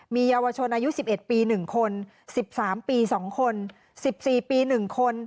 มีเยาวชนอายุสิบเอ็ดปีหนึ่งคนสิบสามปีสองคนสิบสี่ปีหนึ่งคน